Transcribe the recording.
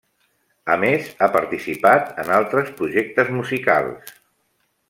A més, ha participat en altres projectes musicals.